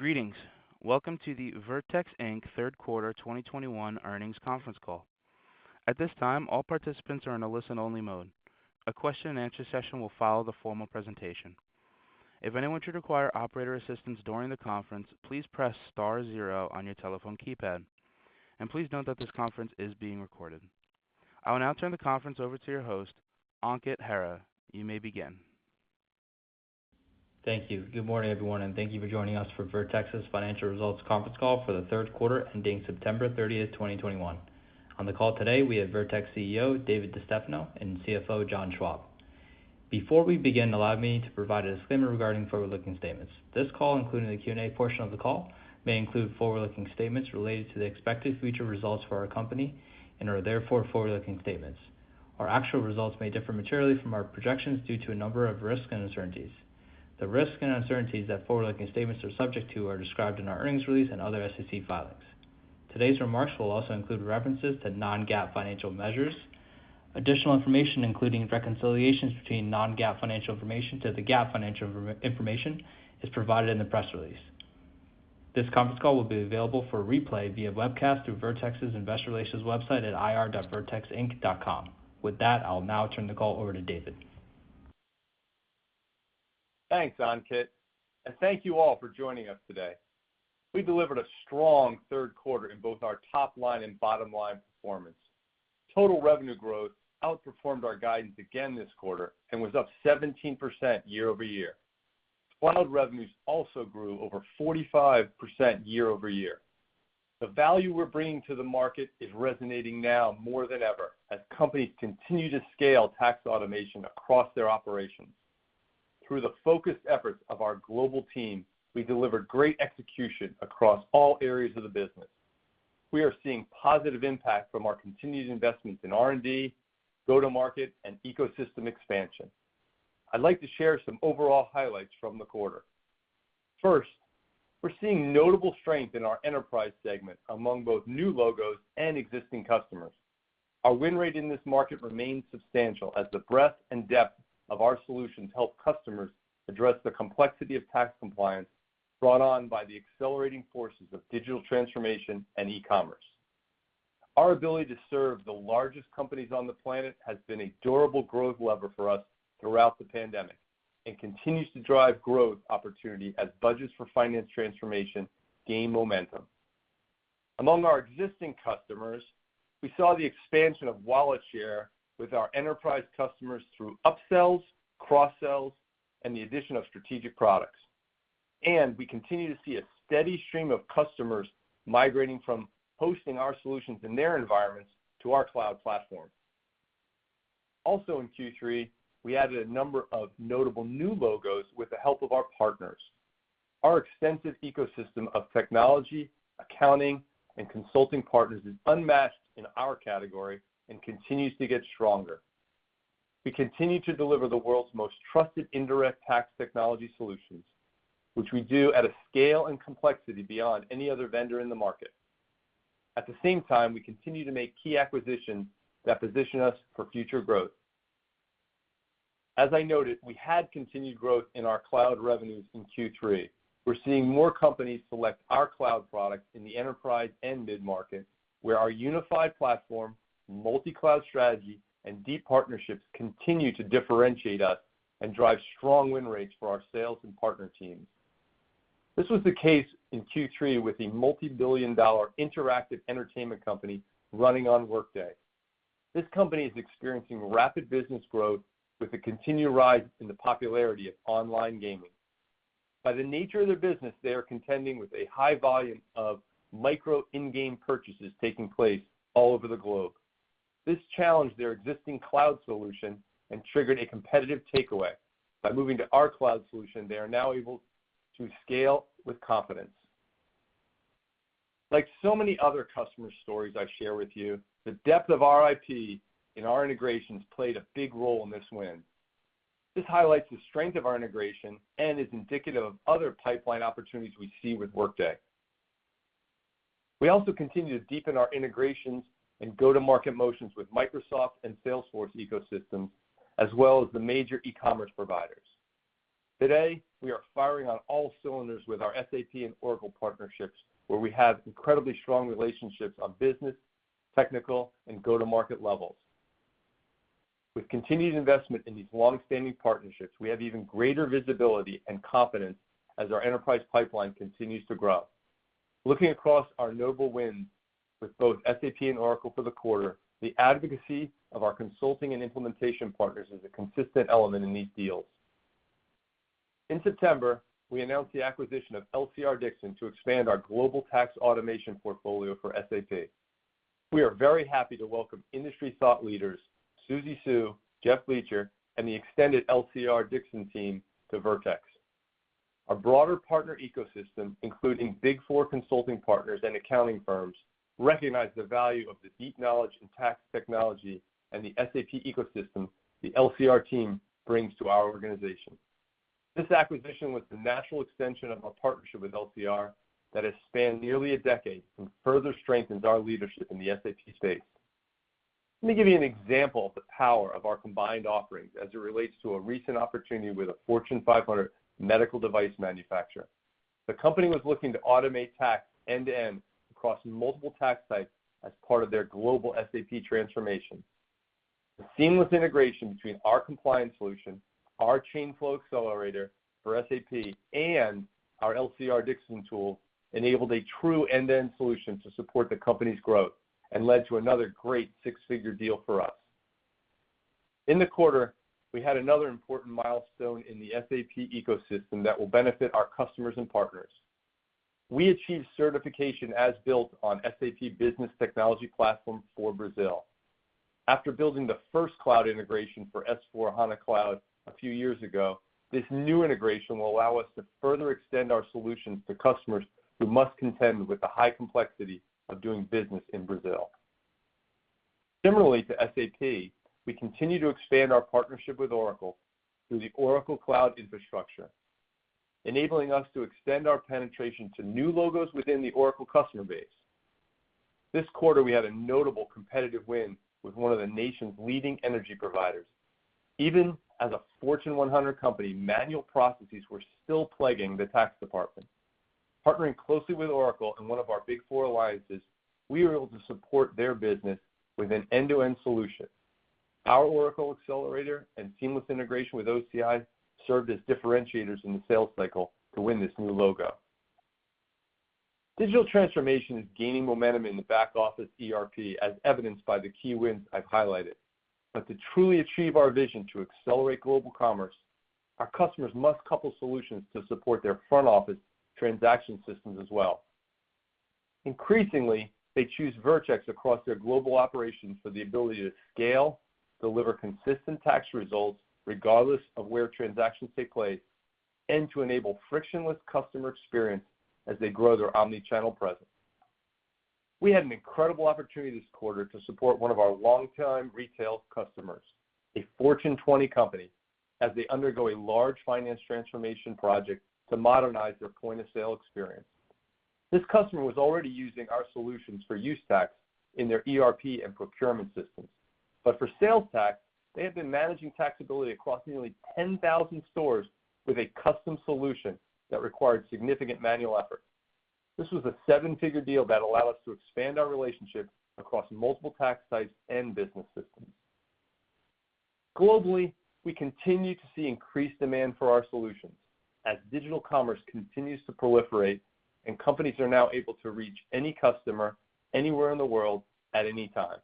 Greetings. Welcome to the Vertex, Inc. Q3 2021 Earnings Conference Call. At this time, all participants are in a listen-only mode. A question-and-answer session will follow the formal presentation. If anyone should require operator assistance during the conference, please press star zero on your telephone keypad, and please note that this conference is being recorded. I will now turn the conference over to your host, Ankit Hira. You may begin. Thank you. Good morning, everyone, and thank you for joining us for Vertex's Financial Results Conference Call for the Q3 ending September 30, 2021. On the call today, we have Vertex CEO, David DeStefano, and CFO, John Schwab. Before we begin, allow me to provide a disclaimer regarding forward-looking statements. This call, including the Q&A portion of the call, may include forward-looking statements related to the expected future results for our company and are therefore forward-looking statements. Our actual results may differ materially from our projections due to a number of risks and uncertainties. The risks and uncertainties that forward-looking statements are subject to are described in our earnings release and other SEC filings. Today's remarks will also include references to non-GAAP financial measures. Additional information, including reconciliations between non-GAAP financial information to the GAAP financial information, is provided in the press release. This conference call will be available for replay via webcast through Vertex's Investor Relations website at ir.vertexinc.com. With that, I'll now turn the call over to David. Thanks, Ankit, and thank you all for joining us today. We delivered a strong Q3 in both our top line and bottom line performance. Total revenue growth outperformed our guidance again this quarter and was up 17% year-over-year. Cloud revenues also grew over 45% year-over-year. The value we're bringing to the market is resonating now more than ever as companies continue to scale tax automation across their operations. Through the focused efforts of our global team, we delivered great execution across all areas of the business. We are seeing positive impact from our continued investments in R&D, go-to-market, and ecosystem expansion. I'd like to share some overall highlights from the quarter. First, we're seeing notable strength in our enterprise segment among both new logos and existing customers. Our win rate in this market remains substantial as the breadth and depth of our solutions help customers address the complexity of tax compliance brought on by the accelerating forces of digital transformation and e-commerce. Our ability to serve the largest companies on the planet has been a durable growth lever for us throughout the pandemic and continues to drive growth opportunity as budgets for finance transformation gain momentum. Among our existing customers, we saw the expansion of wallet share with our enterprise customers through upsells, cross-sells, and the addition of strategic products. We continue to see a steady stream of customers migrating from hosting our solutions in their environments to our cloud platform. Also in Q3, we added a number of notable new logos with the help of our partners. Our extensive ecosystem of technology, accounting, and consulting partners is unmatched in our category and continues to get stronger. We continue to deliver the world's most trusted indirect tax technology solutions, which we do at a scale and complexity beyond any other vendor in the market. At the same time, we continue to make key acquisitions that position us for future growth. As I noted, we had continued growth in our cloud revenues in Q3. We're seeing more companies select our cloud products in the enterprise and mid-market, where our unified platform, multi-cloud strategy, and deep partnerships continue to differentiate us and drive strong win rates for our sales and partner teams. This was the case in Q3 with a multi-billion-dollar interactive entertainment company running on Workday. This company is experiencing rapid business growth with the continued rise in the popularity of online gaming. By the nature of their business, they are contending with a high volume of micro in-game purchases taking place all over the globe. This challenged their existing cloud solution and triggered a competitive takeaway. By moving to our cloud solution, they are now able to scale with confidence. Like so many other customer stories I share with you, the depth of our IP and our integrations played a big role in this win. This highlights the strength of our integration and is indicative of other pipeline opportunities we see with Workday. We also continue to deepen our integrations and go-to-market motions with Microsoft and Salesforce ecosystems, as well as the major e-commerce providers. Today, we are firing on all cylinders with our SAP and Oracle partnerships, where we have incredibly strong relationships on business, technical, and go-to-market levels. With continued investment in these long-standing partnerships, we have even greater visibility and confidence as our enterprise pipeline continues to grow. Looking across our notable wins with both SAP and Oracle for the quarter, the advocacy of our consulting and implementation partners is a consistent element in these deals. In September, we announced the acquisition of LCR-Dixon to expand our global tax automation portfolio for SAP. We are very happy to welcome industry thought leaders Suzy So, Jeff Bleacher, and the extended LCR-Dixon team to Vertex. Our broader partner ecosystem, including Big Four consulting partners and accounting firms, recognize the value of the deep knowledge in tax technology and the SAP ecosystem the LCR team brings to our organization. This acquisition was the natural extension of a partnership with LCR-Dixon that has spanned nearly a decade and further strengthens our leadership in the SAP space. Let me give you an example of the power of our combined offerings as it relates to a recent opportunity with a Fortune 500 medical device manufacturer. The company was looking to automate tax end-to-end across multiple tax sites as part of their global SAP transformation. The seamless integration between our compliance solution, our Chain Flow Accelerator for SAP, and our LCR-Dixon tool enabled a true end-to-end solution to support the company's growth and led to another great six-figure deal for us. In the quarter, we had another important milestone in the SAP ecosystem that will benefit our customers and partners. We achieved certification as built on SAP Business Technology Platform for Brazil. After building the first cloud integration for S/4HANA Cloud a few years ago, this new integration will allow us to further extend our solutions to customers who must contend with the high complexity of doing business in Brazil. Similarly to SAP, we continue to expand our partnership with Oracle through the Oracle Cloud Infrastructure, enabling us to extend our penetration to new logos within the Oracle customer base. This quarter, we had a notable competitive win with one of the nation's leading energy providers. Even as a Fortune 100 company, manual processes were still plaguing the tax department. Partnering closely with Oracle and one of our Big Four alliances, we were able to support their business with an end-to-end solution. Our Oracle accelerator and seamless integration with OCI served as differentiators in the sales cycle to win this new logo. Digital transformation is gaining momentum in the back office ERP, as evidenced by the key wins I've highlighted. To truly achieve our vision to accelerate global commerce, our customers must couple solutions to support their front office transaction systems as well. Increasingly, they choose Vertex across their global operations for the ability to scale, deliver consistent tax results regardless of where transactions take place, and to enable frictionless customer experience as they grow their omni-channel presence. We had an incredible opportunity this quarter to support one of our longtime retail customers, a Fortune 20 company, as they undergo a large finance transformation project to modernize their point of sale experience. This customer was already using our solutions for use tax in their ERP and procurement systems. For sales tax, they have been managing taxability across nearly 10,000 stores with a custom solution that required significant manual effort. This was a seven-figure deal that allowed us to expand our relationship across multiple tax sites and business systems. Globally, we continue to see increased demand for our solutions as digital commerce continues to proliferate and companies are now able to reach any customer, anywhere in the world at any time.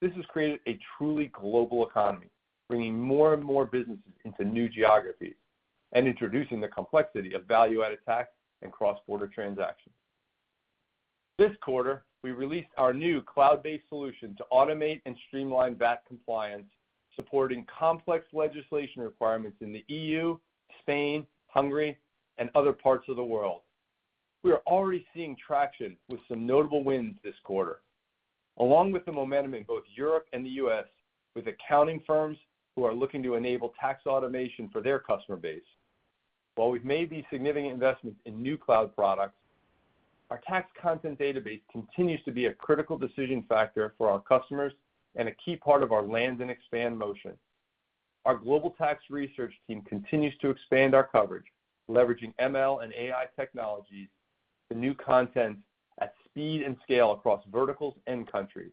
This has created a truly global economy, bringing more and more businesses into new geographies and introducing the complexity of value-added tax and cross-border transactions. This quarter, we released our new cloud-based solution to automate and streamline VAT compliance, supporting complex legislation requirements in the EU, Spain, Hungary and other parts of the world. We are already seeing traction with some notable wins this quarter, along with the momentum in both Europe and the U.S. with accounting firms who are looking to enable tax automation for their customer base. While we've made these significant investments in new cloud products, our tax content database continues to be a critical decision factor for our customers and a key part of our land and expand motion. Our global tax research team continues to expand our coverage, leveraging ML and AI technologies to new content at speed and scale across verticals and countries.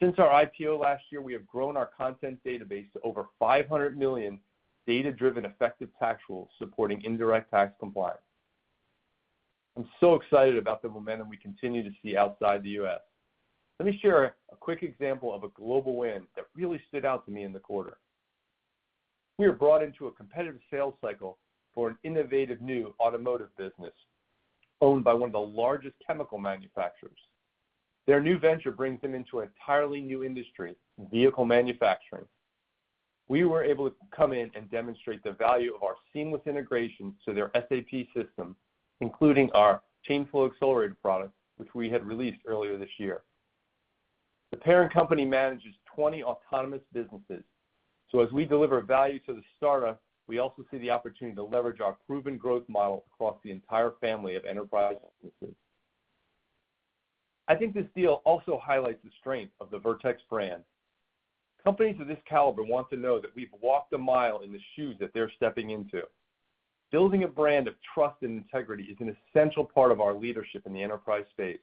Since our IPO last year, we have grown our content database to over 500 million data-driven effective tax rules supporting indirect tax compliance. I'm so excited about the momentum we continue to see outside the U.S. Let me share a quick example of a global win that really stood out to me in the quarter. We were brought into a competitive sales cycle for an innovative new automotive business owned by one of the largest chemical manufacturers. Their new venture brings them into an entirely new industry, vehicle manufacturing. We were able to come in and demonstrate the value of our seamless integration to their SAP system, including our Chain Flow Accelerator product, which we had released earlier this year. The parent company manages 20 autonomous businesses. As we deliver value to the startup, we also see the opportunity to leverage our proven growth model across the entire family of enterprise businesses. I think this deal also highlights the strength of the Vertex brand. Companies of this caliber want to know that we've walked a mile in the shoes that they're stepping into. Building a brand of trust and integrity is an essential part of our leadership in the enterprise space.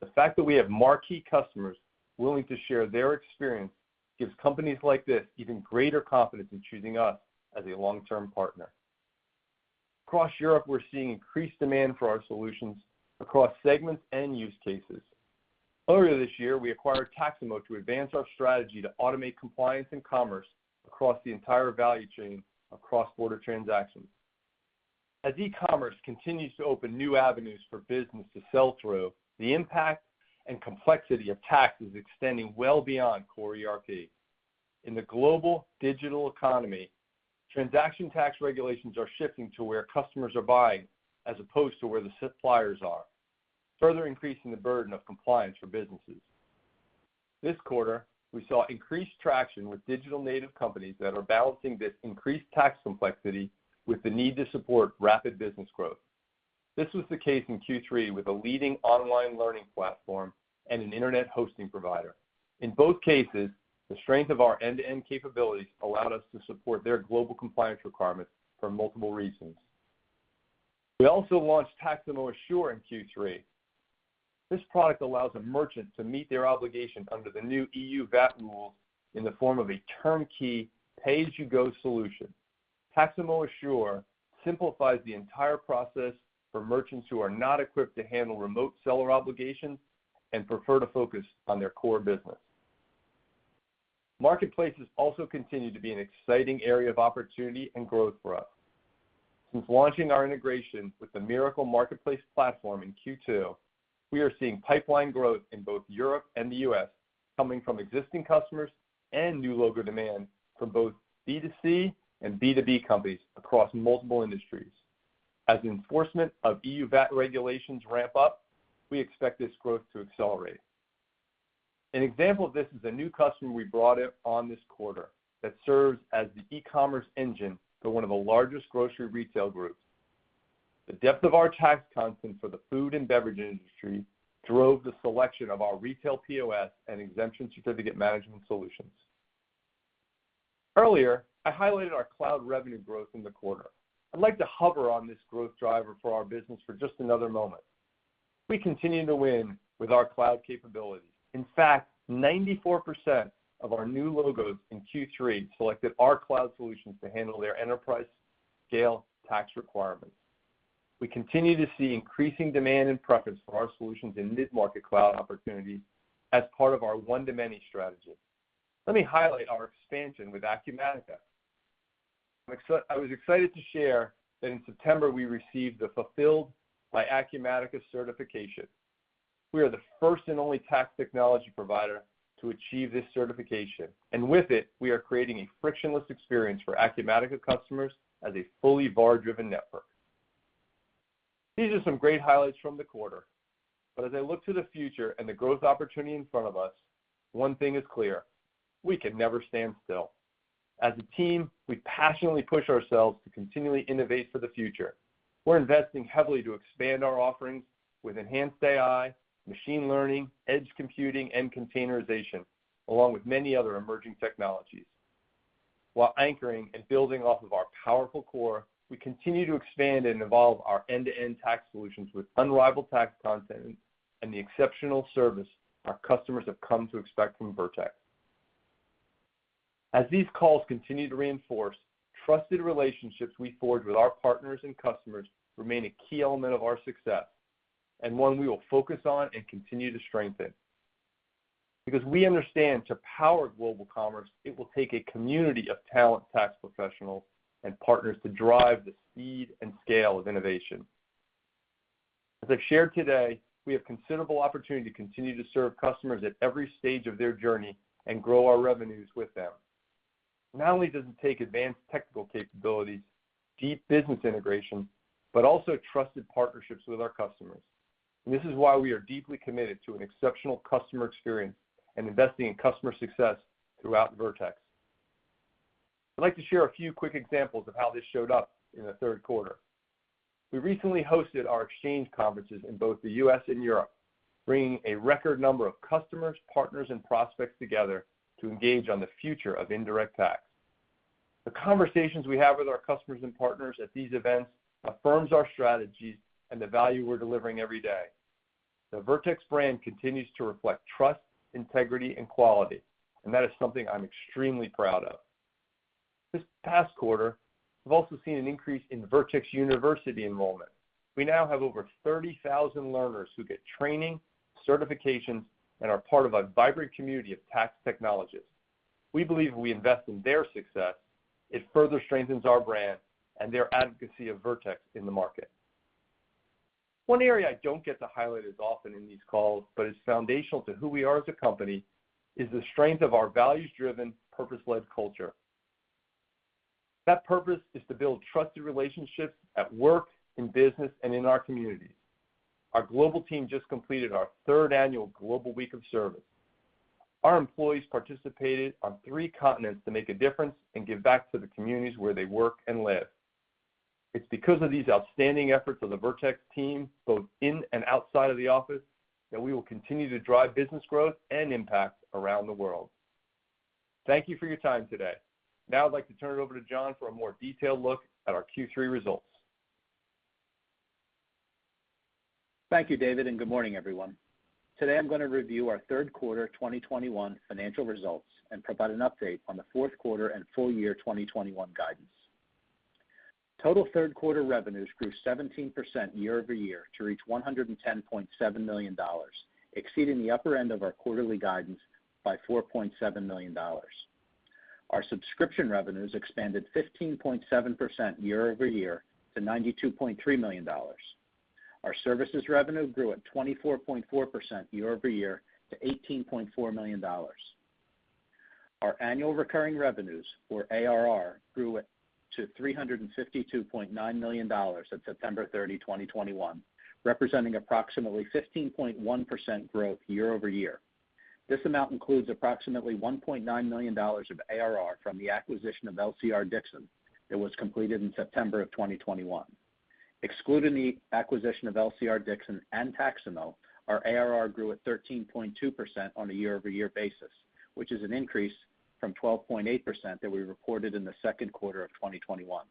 The fact that we have marquee customers willing to share their experience gives companies like this even greater confidence in choosing us as a long-term partner. Across Europe, we're seeing increased demand for our solutions across segments and use cases. Earlier this year, we acquired Taxamo to advance our strategy to automate compliance and commerce across the entire value chain of cross-border transactions. As e-commerce continues to open new avenues for business to sell through, the impact and complexity of tax is extending well beyond core ERP. In the global digital economy, transaction tax regulations are shifting to where customers are buying as opposed to where the suppliers are, further increasing the burden of compliance for businesses. This quarter, we saw increased traction with digital native companies that are balancing this increased tax complexity with the need to support rapid business growth. This was the case in Q3 with a leading online learning platform and an internet hosting provider. In both cases, the strength of our end-to-end capabilities allowed us to support their global compliance requirements for multiple reasons. We also launched Taxamo Assure in Q3. This product allows a merchant to meet their obligation under the new EU VAT rule in the form of a turnkey pay-as-you-go solution. Taxamo Assure simplifies the entire process for merchants who are not equipped to handle remote seller obligations and prefer to focus on their core business. Marketplaces also continue to be an exciting area of opportunity and growth for us. Since launching our integration with the Mirakl Marketplace Platform in Q2, we are seeing pipeline growth in both Europe and the U.S. coming from existing customers and new logo demand from both B2C and B2B companies across multiple industries. As enforcement of EU VAT regulations ramp up, we expect this growth to accelerate. An example of this is a new customer we brought in in this quarter that serves as the e-commerce engine for one of the largest grocery retail groups. The depth of our tax content for the food and beverage industry drove the selection of our retail POS and exemption certificate management solutions. Earlier, I highlighted our cloud revenue growth in the quarter. I'd like to dwell on this growth driver for our business for just another moment. We continue to win with our cloud capabilities. In fact, 94% of our new logos in Q3 selected our cloud solutions to handle their enterprise-scale tax requirements. We continue to see increasing demand and preference for our solutions in mid-market cloud opportunities as part of our one-to-many strategy. Let me highlight our expansion with Acumatica. I was excited to share that in September we received the Fulfilled by Acumatica certification. We are the first and only tax technology provider to achieve this certification, and with it, we are creating a frictionless experience for Acumatica customers as a fully API-driven network. These are some great highlights from the quarter, but as I look to the future and the growth opportunity in front of us, one thing is clear: we can never stand still. As a team, we passionately push ourselves to continually innovate for the future. We're investing heavily to expand our offerings with enhanced AI, machine learning, edge computing, and containerization, along with many other emerging technologies. While anchoring and building off of our powerful core, we continue to expand and evolve our end-to-end tax solutions with unrivaled tax content and the exceptional service our customers have come to expect from Vertex. As these calls continue to reinforce, trusted relationships we forge with our partners and customers remain a key element of our success, and one we will focus on and continue to strengthen. Because we understand that to power global commerce, it will take a community of talent, tax professionals, and partners to drive the speed and scale of innovation. As I've shared today, we have considerable opportunity to continue to serve customers at every stage of their journey and grow our revenues with them. Not only does it take advanced technical capabilities, deep business integration, but also trusted partnerships with our customers. This is why we are deeply committed to an exceptional customer experience and investing in customer success throughout Vertex. I'd like to share a few quick examples of how this showed up in the Q3. We recently hosted our exchange conferences in both the U.S. and Europe, bringing a record number of customers, partners, and prospects together to engage on the future of indirect tax. The conversations we have with our customers and partners at these events affirms our strategies and the value we're delivering every day. The Vertex brand continues to reflect trust, integrity, and quality, and that is something I'm extremely proud of. This past quarter, we've also seen an increase in Vertex University enrollment. We now have over 30,000 learners who get training, certifications, and are part of a vibrant community of tax technologists. We believe if we invest in their success, it further strengthens our brand and their advocacy of Vertex in the market. One area I don't get to highlight as often in these calls, but is foundational to who we are as a company, is the strength of our values-driven, purpose-led culture. That purpose is to build trusted relationships at work, in business, and in our communities. Our global team just completed our third annual Global Week of Service. Our employees participated on three continents to make a difference and give back to the communities where they work and live. It's because of these outstanding efforts of the Vertex team, both in and outside of the office, that we will continue to drive business growth and impact around the world. Thank you for your time today. Now I'd like to turn it over to John for a more detailed look at our Q3 results. Thank you, David, and good morning, everyone. Today I'm gonna review our Q3 2021 financial results and provide an update on the Q4 and full year 2021 guidance. Total Q3 revenues grew 17% year-over-year to reach $110.7 million, exceeding the upper end of our quarterly guidance by $4.7 million. Our subscription revenues expanded 15.7% year-over-year to $92.3 million. Our services revenue grew at 24.4% year-over-year to $18.4 million. Our annual recurring revenues, or ARR, grew to $352.9 million at September 30, 2021, representing approximately 15.1% growth year-over-year. This amount includes approximately $1.9 million of ARR from the acquisition of LCR-Dixon that was completed in September of 2021. Excluding the acquisition of LCR-Dixon and Taxamo, our ARR grew 13.2% on a year-over-year basis, which is an increase from 12.8% that we reported in the Q2 of 2021.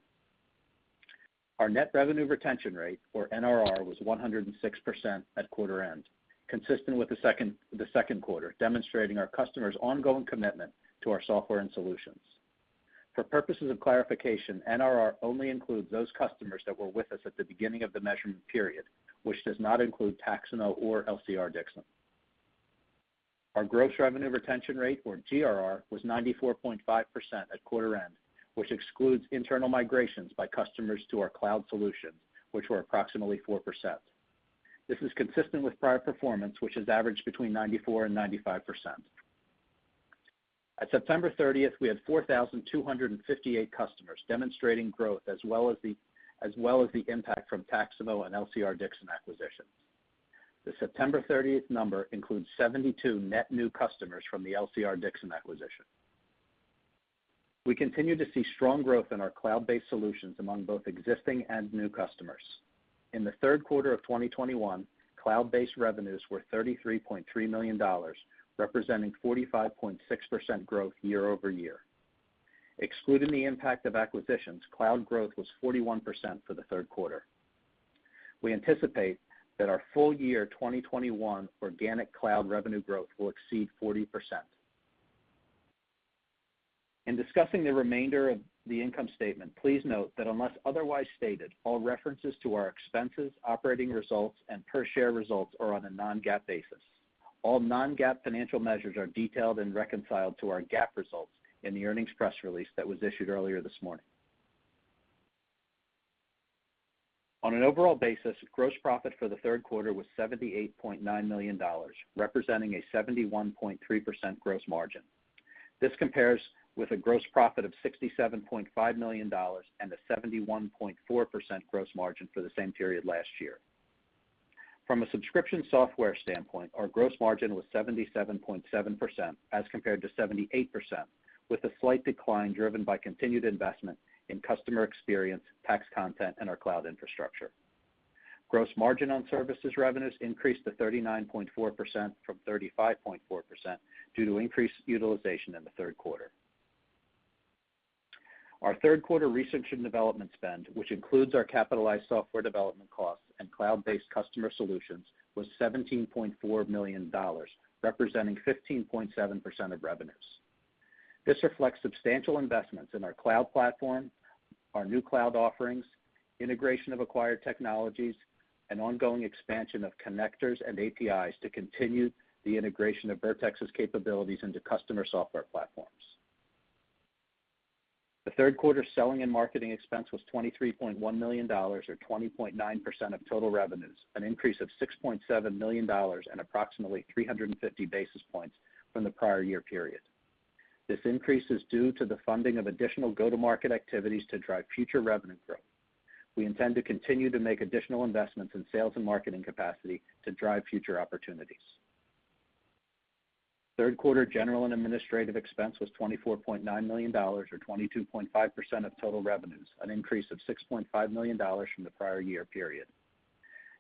Our net revenue retention rate, or NRR, was 106% at quarter end, consistent with the Q2, demonstrating our customers' ongoing commitment to our software and solutions. For purposes of clarification, NRR only includes those customers that were with us at the beginning of the measurement period, which does not include Taxamo or LCR-Dixon. Our gross revenue retention rate, or GRR, was 94.5% at quarter end, which excludes internal migrations by customers to our cloud solutions, which were approximately 4%. This is consistent with prior performance, which has averaged between 94%-95%. At September 30, we had 4,258 customers demonstrating growth as well as the impact from Taxamo and LCR-Dixon acquisitions. The September 30 number includes 72 net new customers from the LCR-Dixon acquisition. We continue to see strong growth in our cloud-based solutions among both existing and new customers. In the Q3 of 2021, cloud-based revenues were $33.3 million, representing 45.6% growth year-over-year. Excluding the impact of acquisitions, cloud growth was 41% for the Q3. We anticipate that our full year 2021 organic cloud revenue growth will exceed 40%. In discussing the remainder of the income statement, please note that unless otherwise stated, all references to our expenses, operating results, and per share results are on a non-GAAP basis. All non-GAAP financial measures are detailed and reconciled to our GAAP results in the earnings press release that was issued earlier this morning. On an overall basis, gross profit for the Q3 was $78.9 million, representing a 71.3% gross margin. This compares with a gross profit of $67.5 million and a 71.4% gross margin for the same period last year. From a subscription software standpoint, our gross margin was 77.7% as compared to 78%, with a slight decline driven by continued investment in customer experience, tax content, and our cloud infrastructure. Gross margin on services revenues increased to 39.4% from 35.4% due to increased utilization in the Q3. Our Q3 research and development spend, which includes our capitalized software development costs and cloud-based customer solutions, was $17.4 million, representing 15.7% of revenues. This reflects substantial investments in our cloud platform, our new cloud offerings, integration of acquired technologies, and ongoing expansion of connectors and APIs to continue the integration of Vertex's capabilities into customer software platforms. The Q3 selling and marketing expense was $23.1 million or 20.9% of total revenues, an increase of $6.7 million and approximately 350 basis points from the prior year period. This increase is due to the funding of additional go-to-market activities to drive future revenue growth. We intend to continue to make additional investments in sales and marketing capacity to drive future opportunities. Q3 general and administrative expense was $24.9 million or 22.5% of total revenues, an increase of $6.5 million from the prior year period.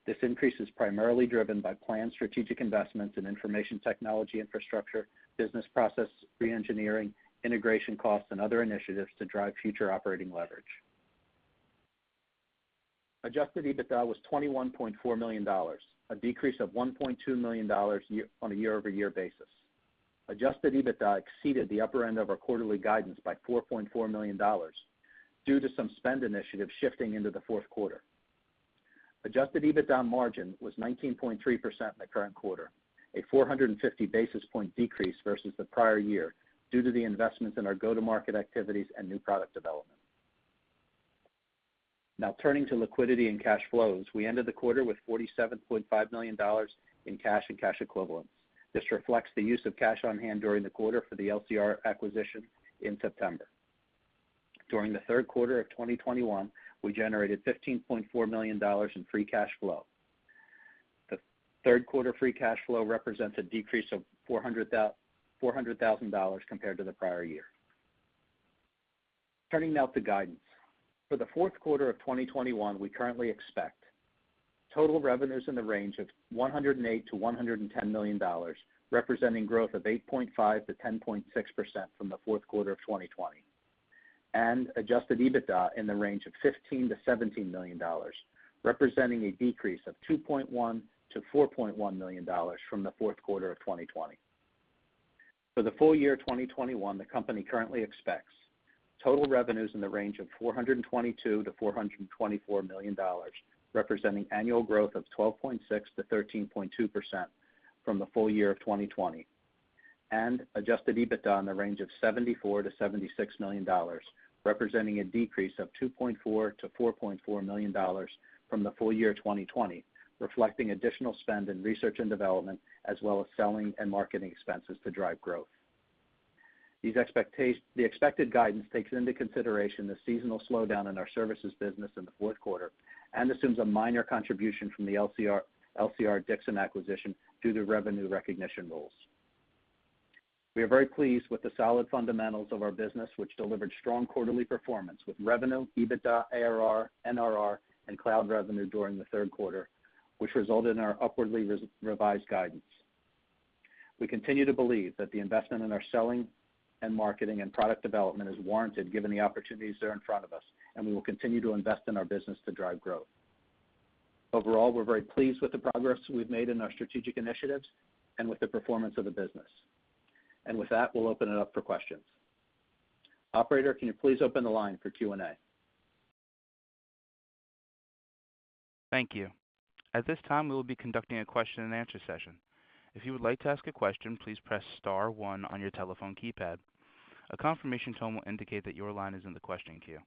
This increase is primarily driven by planned strategic investments in information technology infrastructure, business process reengineering, integration costs, and other initiatives to drive future operating leverage. Adjusted EBITDA was $21.4 million, a decrease of $1.2 million on a year-over-year basis. Adjusted EBITDA exceeded the upper end of our quarterly guidance by $4.4 million due to some spend initiatives shifting into the Q4. Adjusted EBITDA margin was 19.3% in the current quarter, a 450 basis point decrease versus the prior year due to the investments in our go-to-market activities and new product development. Now turning to liquidity and cash flows. We ended the quarter with $47.5 million in cash and cash equivalents. This reflects the use of cash on hand during the quarter for the LCR acquisition in September. During the Q3 of 2021, we generated $15.4 million in free cash flow. The Q3 free cash flow represents a decrease of $400,000 compared to the prior year. Turning now to guidance. For the Q4 of 2021, we currently expect total revenues in the range of $108 million-$110 million, representing growth of 8.5%-10.6% from the Q4 of 2020, and adjusted EBITDA in the range of $15 million-$17 million, representing a decrease of $2.1 million-$4.1 million from the Q4 of 2020. For the full year 2021, the company currently expects total revenues in the range of $422 million-$424 million, representing annual growth of 12.6%-13.2% from the full year of 2020, and adjusted EBITDA in the range of $74 million-$76 million, representing a decrease of $2.4 million-$4.4 million from the full year 2020, reflecting additional spend in research and development as well as selling and marketing expenses to drive growth. The expected guidance takes into consideration the seasonal slowdown in our services business in the Q4 and assumes a minor contribution from the LCR-Dixon acquisition due to revenue recognition rules. We are very pleased with the solid fundamentals of our business, which delivered strong quarterly performance with revenue, EBITDA, ARR, NRR, and cloud revenue during the Q3, which resulted in our upwardly revised guidance. We continue to believe that the investment in our selling and marketing and product development is warranted given the opportunities that are in front of us, and we will continue to invest in our business to drive growth. Overall, we're very pleased with the progress we've made in our strategic initiatives and with the performance of the business. With that, we'll open it up for questions. Operator, can you please open the line for Q&A? Thank you. At this time, we will be conducting a question-and-answer session. If you would like to ask a question, please press star one on your telephone keypad. A confirmation tone will indicate that your line is in the question queue.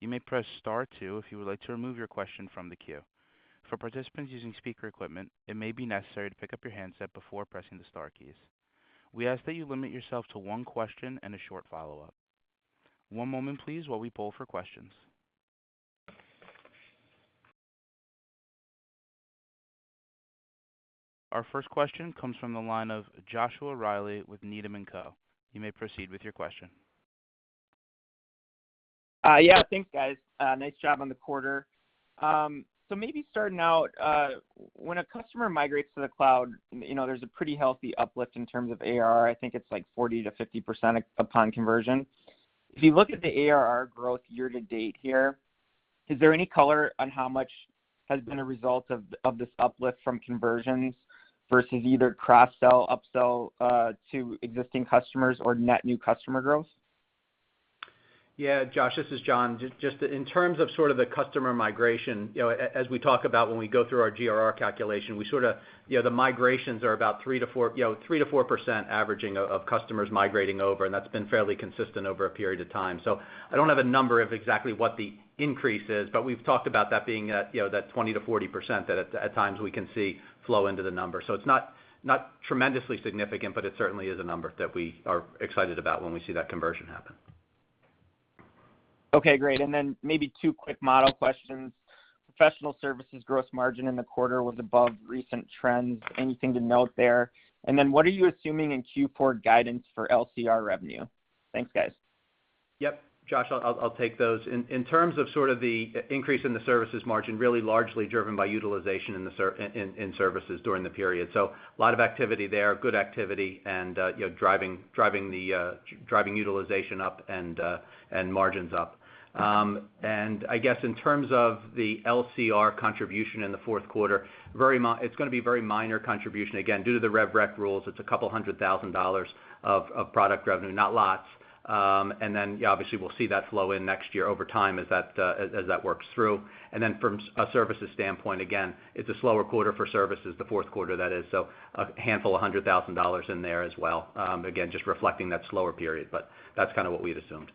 You may press star two if you would like to remove your question from the queue. For participants using speaker equipment, it may be necessary to pick up your handset before pressing the star keys. We ask that you limit yourself to one question and a short follow-up. One moment please while we poll for questions. Our first question comes from the line of Joshua Reilly with Needham & Company. You may proceed with your question. Yeah, thanks, guys. Nice job on the quarter. Maybe starting out, when a customer migrates to the cloud, you know, there's a pretty healthy uplift in terms of ARR. I think it's like 40%-50% upon conversion. If you look at the ARR growth year to date here, is there any color on how much has been a result of this uplift from conversions versus either cross-sell, up-sell to existing customers or net new customer growth? Yeah, Josh, this is John. Just in terms of sort of the customer migration, you know, as we talk about when we go through our GRR calculation, we sorta, you know, the migrations are about 3%-4% averaging of customers migrating over, and that's been fairly consistent over a period of time. I don't have a number of exactly what the increase is, but we've talked about that being at, you know, that 20%-40% that at times we can see flow into the numbers. It's not tremendously significant, but it certainly is a number that we are excited about when we see that conversion happen. Okay, great. Maybe two quick model questions. Professional services gross margin in the quarter was above recent trends. Anything to note there? What are you assuming in Q4 guidance for LCR revenue? Thanks, guys. Yep. Josh, I'll take those. In terms of sort of the increase in the services margin, really largely driven by utilization in services during the period. A lot of activity there, good activity, and you know, driving utilization up and margins up. I guess in terms of the LCR contribution in the Q4, it's gonna be a very minor contribution. Again, due to the rev rec rules, it's $200,000 of product revenue, not lots. Then, yeah, obviously we'll see that flow in next year over time as that works through. Then from a services standpoint, again, it's a slower quarter for services, the Q4 that is. A handful of $100,000 in there as well, again, just reflecting that slower period. That's kinda what we'd assumed.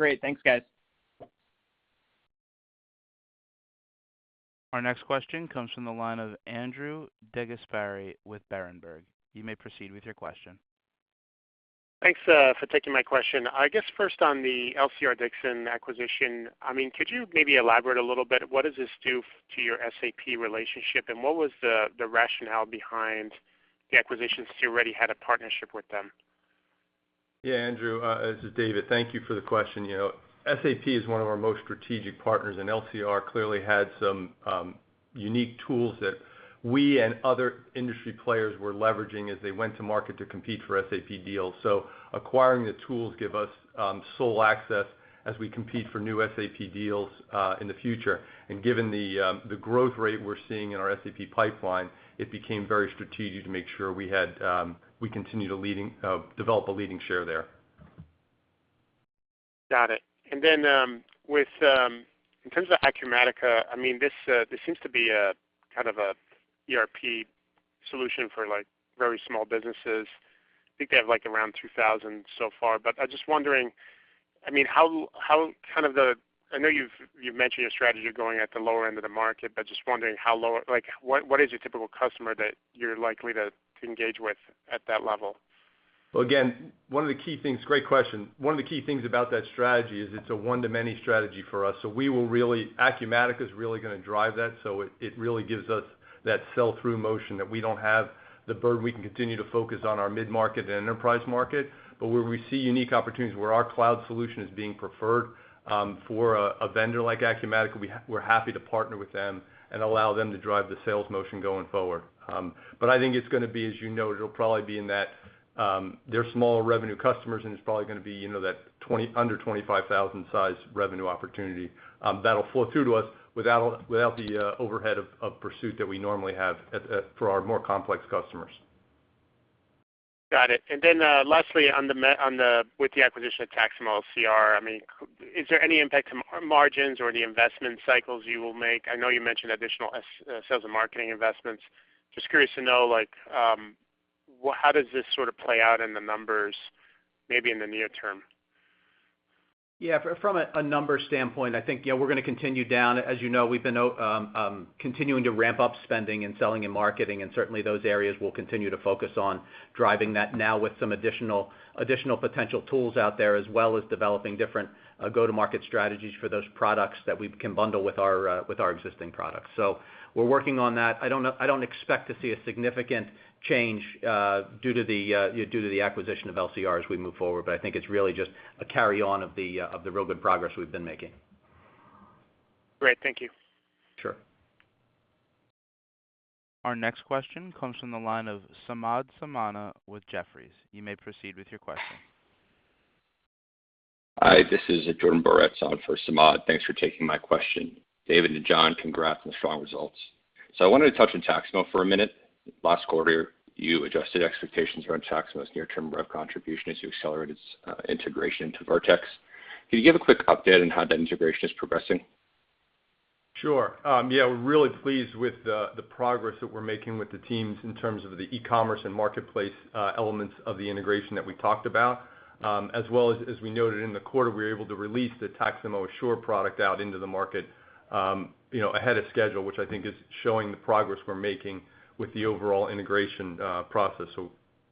Great. Thanks, guys. Our next question comes from the line of Andrew DeGasperi with Berenberg. You may proceed with your question. Thanks for taking my question. I guess first on the LCR-Dixon acquisition, I mean, could you maybe elaborate a little bit, what does this do to your SAP relationship, and what was the rationale behind the acquisition since you already had a partnership with them? Andrew, this is David. Thank you for the question. You know, SAP is one of our most strategic partners, and LCR clearly had some unique tools that we and other industry players were leveraging as they went to market to compete for SAP deals. Acquiring the tools gives us sole access as we compete for new SAP deals in the future. Given the growth rate we're seeing in our SAP pipeline, it became very strategic to make sure we continue to lead and develop a leading share there. Got it. In terms of Acumatica, I mean, this seems to be a kind of a ERP solution for like very small businesses. I think they have like around 2,000 so far. I'm just wondering, I mean, I know you've mentioned your strategy of going at the lower end of the market, but just wondering how low, like what is your typical customer that you're likely to engage with at that level? Great question. One of the key things about that strategy is it's a one-to-many strategy for us. Acumatica is really gonna drive that, so it really gives us that sell-through motion that we don't have the burden. We can continue to focus on our mid-market and enterprise market. Where we see unique opportunities where our cloud solution is being preferred, for a vendor like Acumatica, we're happy to partner with them and allow them to drive the sales motion going forward. I think it's gonna be, as you know, it'll probably be in that they're smaller revenue customers, and it's probably gonna be, you know, that under $25,000-size revenue opportunity, that'll flow through to us without the overhead of pursuit that we normally have for our more complex customers. Got it. Lastly, with the acquisition of Taxamo LCR, I mean, is there any impact to margins or the investment cycles you will make? I know you mentioned additional sales and marketing investments. Just curious to know, like, how does this sort of play out in the numbers maybe in the near term? From a numbers standpoint, I think, you know, we're gonna continue down. As you know, we've been continuing to ramp up spending in sales and marketing, and certainly those areas we'll continue to focus on driving that now with some additional potential tools out there, as well as developing different go-to-market strategies for those products that can bundle with our existing products. We're working on that. I don't expect to see a significant change due to the acquisition of LCR as we move forward, but I think it's really just a carry on of the really good progress we've been making. Great. Thank you. Sure. Our next question comes from the line of Samad Samana with Jefferies. You may proceed with your question. Hi, this is Jordan Boretz on for Samad. Thanks for taking my question. David and John, congrats on the strong results. I wanted to touch on Taxamo for a minute. Last quarter, you adjusted expectations around Taxamo's near-term rev contribution as you accelerated its integration into Vertex. Can you give a quick update on how that integration is progressing? Sure. Yeah, we're really pleased with the progress that we're making with the teams in terms of the e-commerce and marketplace elements of the integration that we talked about, as well as we noted in the quarter, we were able to release the Taxamo Assure product out into the market, you know, ahead of schedule, which I think is showing the progress we're making with the overall integration process.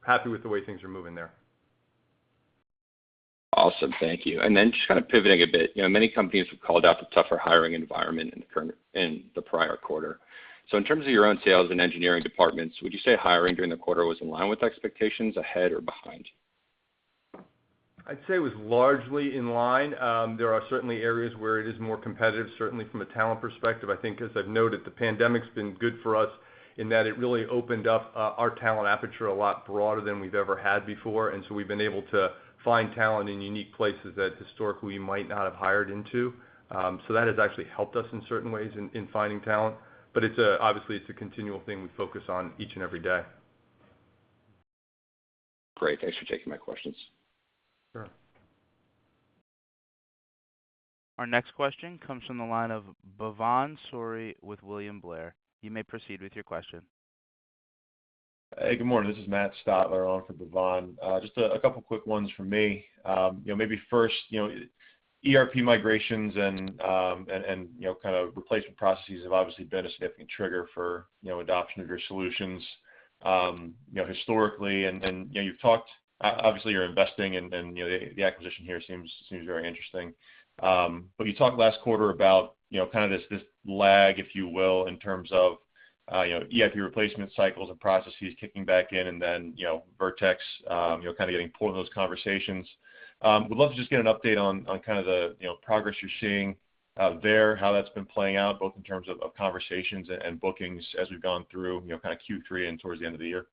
Happy with the way things are moving there. Awesome. Thank you. Just kind of pivoting a bit, you know, many companies have called out the tougher hiring environment in the prior quarter. In terms of your own sales and engineering departments, would you say hiring during the quarter was in line with expectations, ahead, or behind? I'd say it was largely in line. There are certainly areas where it is more competitive, certainly from a talent perspective. I think as I've noted, the pandemic's been good for us in that it really opened up our talent aperture a lot broader than we've ever had before. We've been able to find talent in unique places that historically we might not have hired into. That has actually helped us in certain ways in finding talent. It's obviously a continual thing we focus on each and every day. Great. Thanks for taking my questions. Sure. Our next question comes from the line of Bhavan Suri with William Blair. You may proceed with your question. Hey, good morning. This is Matt Stotler on for Bhavan. Just a couple quick ones from me. You know, maybe first, you know, ERP migrations and you know, kind of replacement processes have obviously been a significant trigger for, you know, adoption of your solutions, you know, historically. You know, you've talked. Obviously you're investing and then, you know, the acquisition here seems very interesting. You talked last quarter about, you know, kind of this lag, if you will, in terms of, you know, ERP replacement cycles and processes kicking back in and then, you know, Vertex, you know, kind of getting pulled in those conversations. Would love to just get an update on kind of the progress you're seeing there, how that's been playing out, both in terms of conversations and bookings as we've gone through, you know, kind of Q3 and towards the end of the year.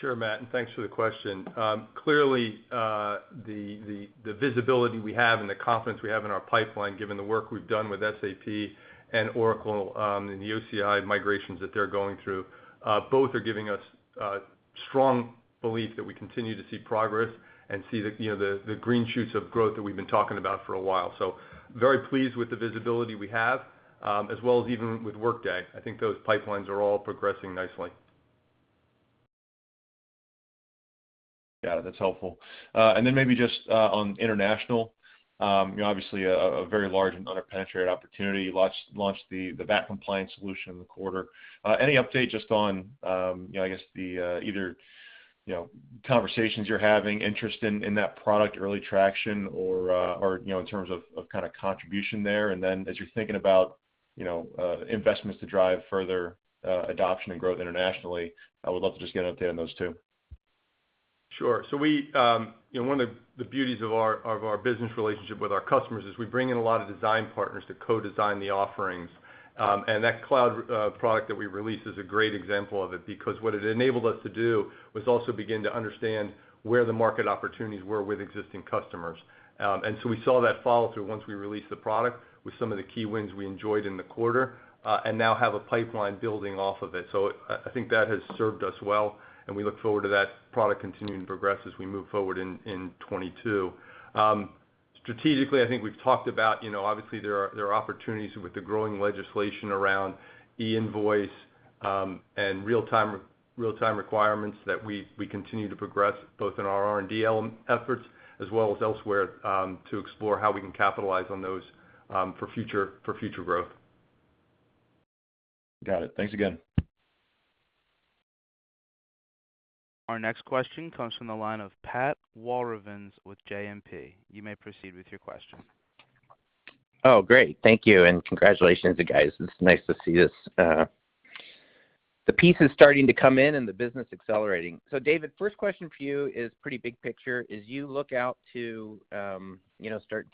Sure, Matt, and thanks for the question. Clearly, the visibility we have and the confidence we have in our pipeline, given the work we've done with SAP and Oracle, and the OCI migrations that they're going through, both are giving us a strong belief that we continue to see progress and see the, you know, green shoots of growth that we've been talking about for a while. Very pleased with the visibility we have, as well as even with Workday. I think those pipelines are all progressing nicely. Got it. That's helpful. Maybe just on international, you know, obviously a very large and under-penetrated opportunity. You launched the VAT compliance solution in the quarter. Any update just on, you know, I guess the either, you know, conversations you're having, interest in that product, early traction or, you know, in terms of kinda contribution there? As you're thinking about, you know, investments to drive further adoption and growth internationally, I would love to just get an update on those two. Sure. We, you know, one of the beauties of our business relationship with our customers is we bring in a lot of design partners to co-design the offerings. That cloud product that we released is a great example of it, because what it enabled us to do was also begin to understand where the market opportunities were with existing customers. We saw that follow through once we released the product with some of the key wins we enjoyed in the quarter, and now have a pipeline building off of it. I think that has served us well, and we look forward to that product continuing to progress as we move forward in 2022. Strategically, I think we've talked about, you know, obviously there are opportunities with the growing legislation around e-invoicing, and real-time requirements that we continue to progress both in our R&D efforts as well as elsewhere, to explore how we can capitalize on those, for future growth. Got it. Thanks again. Our next question comes from the line of Pat Walravens with JMP. You may proceed with your question. Oh, great. Thank you, and congratulations, you guys. It's nice to see this, the pieces starting to come in and the business accelerating. David, first question for you is pretty big picture. As you look out to, you know, start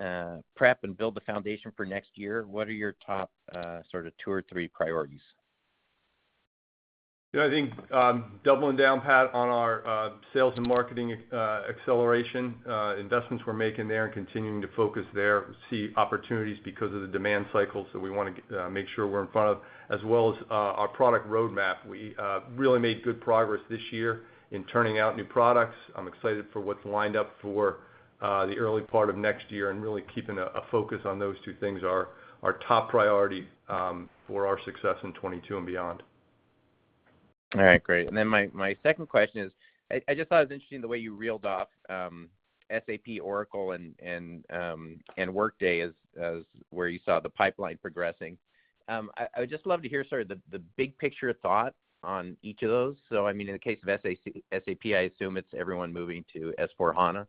to prep and build the foundation for next year, what are your top, sort of two or three priorities? Yeah, I think, doubling down, Pat, on our sales and marketing acceleration investments we're making there and continuing to focus there. We see opportunities because of the demand cycle, so we wanna make sure we're in front of, as well as our product roadmap. We really made good progress this year in turning out new products. I'm excited for what's lined up for the early part of next year and really keeping a focus on those two things are our top priority for our success in 2022 and beyond. All right, great. My second question is, I just thought it was interesting the way you reeled off SAP, Oracle, and Workday as where you saw the pipeline progressing. I would just love to hear sort of the big picture thought on each of those. I mean, in the case of SAP, I assume it's everyone moving to S/4HANA.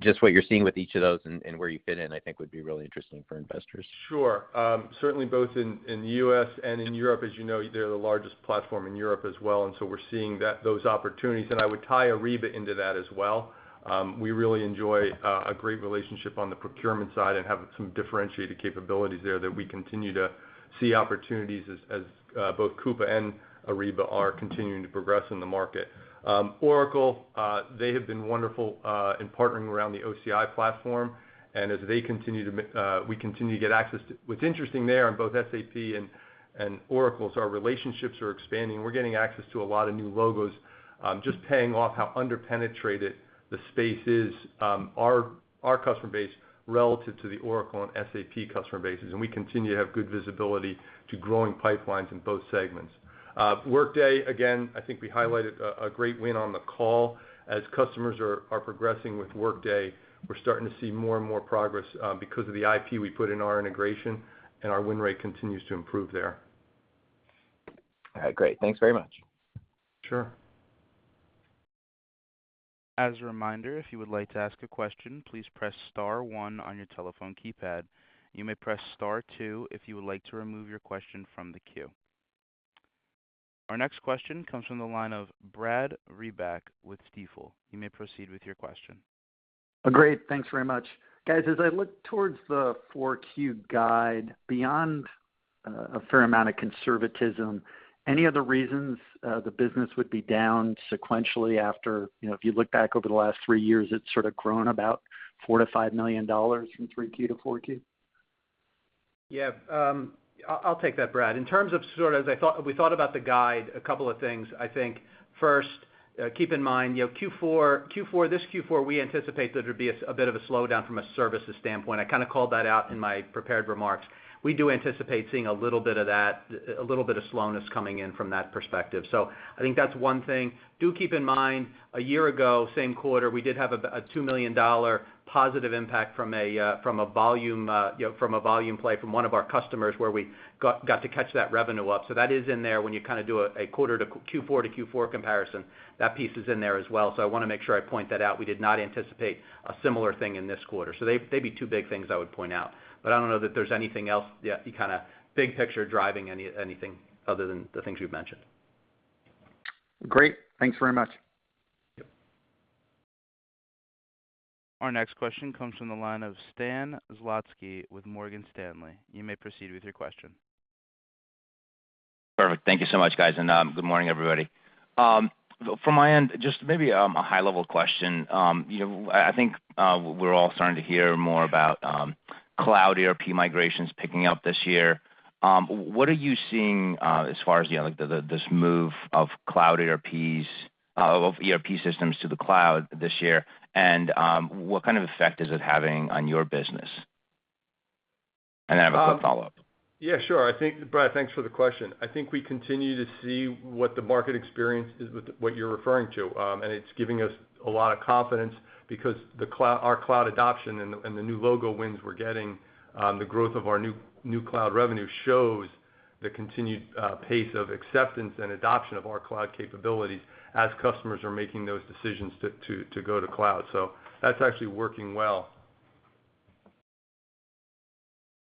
Just what you're seeing with each of those and where you fit in, I think would be really interesting for investors. Sure. Certainly both in the U.S. and in Europe, as you know, they're the largest platform in Europe as well, and so we're seeing those opportunities. I would tie Ariba into that as well. We really enjoy a great relationship on the procurement side and have some differentiated capabilities there that we continue to see opportunities as both Coupa and Ariba are continuing to progress in the market. Oracle, they have been wonderful in partnering around the OCI platform. As they continue, we continue to get access to. What's interesting there on both SAP and Oracle is our relationships are expanding. We're getting access to a lot of new logos, just paying off how under-penetrated the space is, our customer base relative to the Oracle and SAP customer bases, and we continue to have good visibility to growing pipelines in both segments. Workday, again, I think we highlighted a great win on the call. As customers are progressing with Workday, we're starting to see more and more progress, because of the IP we put in our integration, and our win rate continues to improve there. All right, great. Thanks very much. Sure. As a reminder, if you would like to ask a question, please press star one on your telephone keypad. You may press star two if you would like to remove your question from the queue. Our next question comes from the line of Brad Reback with Stifel. You may proceed with your question. Great. Thanks very much. Guys, as I look towards the Q4 guide, beyond a fair amount of conservatism, any other reasons the business would be down sequentially after, you know, if you look back over the last three years, it's sort of grown about $4 million-$5 million from Q3 to Q4? Yeah. I'll take that, Brad. In terms of sort of we thought about the guide, a couple of things. I think first, keep in mind, you know, Q4, this Q4, we anticipate that it'll be a bit of a slowdown from a services standpoint. I kinda called that out in my prepared remarks. We do anticipate seeing a little bit of that, a little bit of slowness coming in from that perspective. I think that's one thing. Do keep in mind, a year ago, same quarter, we did have a $2 million positive impact from a volume, you know, from a volume play from one of our customers where we got to catch that revenue up. That is in there when you kinda do a quarter to Q4 to Q4 comparison, that piece is in there as well. I wanna make sure I point that out. We did not anticipate a similar thing in this quarter. They, they'd be two big things I would point out. I don't know that there's anything else, yeah, kinda big picture driving anything other than the things we've mentioned. Great. Thanks very much. Yep. Our next question comes from the line of Stan Zlotsky with Morgan Stanley. You may proceed with your question. Perfect. Thank you so much, guys, and good morning, everybody. From my end, just maybe a high level question. You know, I think we're all starting to hear more about cloud ERP migrations picking up this year. What are you seeing as far as, you know, like the this move of cloud ERPs of ERP systems to the cloud this year? What kind of effect is it having on your business? And then I have a quick follow-up. Yeah, sure. I think Brad, thanks for the question. I think we continue to see what the market experience is with what you're referring to, and it's giving us a lot of confidence because our cloud adoption and the new logo wins we're getting, the growth of our new cloud revenue shows the continued pace of acceptance and adoption of our cloud capabilities as customers are making those decisions to go to cloud. That's actually working well.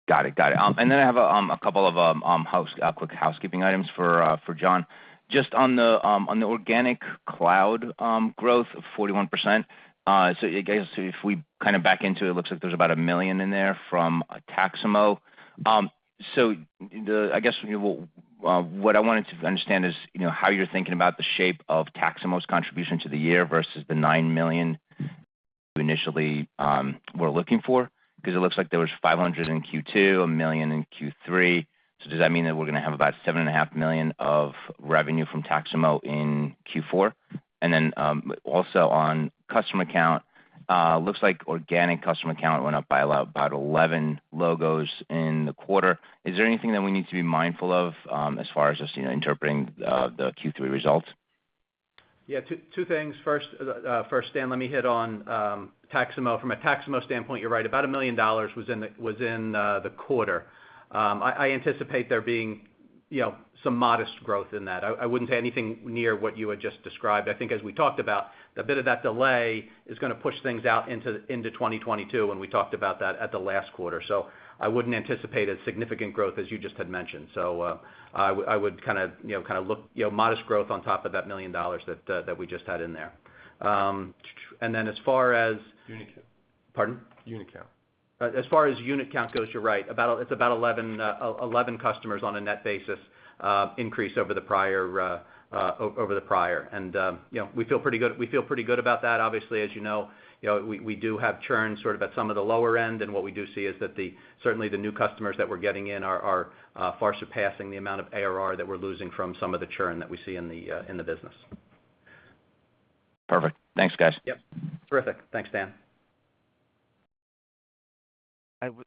Got it. I have a couple of quick housekeeping items for John. On the organic cloud growth of 41%, I guess if we kinda back into it looks like there's about $1 million in there from Taxamo. I guess what I wanted to understand is, you know, how you're thinking about the shape of Taxamo's contribution to the year versus the $9 million you initially were looking for. 'Cause it looks like there was $500,000 in Q2, $1 million in Q3. Does that mean that we're gonna have about $7.5 million of revenue from Taxamo in Q4? Also on customer count, looks like organic customer count went up by a lot, about 11 logos in the quarter. Is there anything that we need to be mindful of, as far as just, you know, interpreting the Q3 results? Yeah, two things. First, Stan Zlotsky, let me hit on Taxamo. From a Taxamo standpoint, you're right, about $1 million was in the quarter. I anticipate there being, you know, some modest growth in that. I wouldn't say anything near what you had just described. I think as we talked about, a bit of that delay is gonna push things out into 2022, and we talked about that at the last quarter. I wouldn't anticipate a significant growth as you just had mentioned. I would kinda, you know, kinda look, you know, modest growth on top of that $1 million that we just had in there. And then as far as- Unit count. Pardon? Unit count. As far as unit count goes, you're right. It's about 11 customers on a net basis, increase over the prior. You know, we feel pretty good about that. Obviously, as you know, you know, we do have churn sort of at some of the lower end, and what we do see is that certainly the new customers that we're getting in are far surpassing the amount of ARR that we're losing from some of the churn that we see in the business. Perfect. Thanks, guys. Yep. Terrific. Thanks, Stan.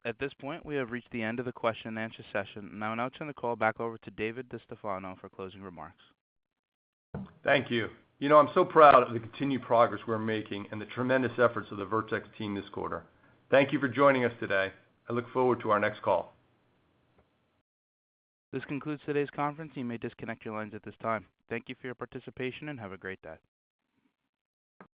At this point, we have reached the end of the question and answer session. Now I'll turn the call back over to David DeStefano for closing remarks. Thank you. You know, I'm so proud of the continued progress we're making and the tremendous efforts of the Vertex team this quarter. Thank you for joining us today. I look forward to our next call. This concludes today's conference. You may disconnect your lines at this time. Thank you for your participation, and have a great day.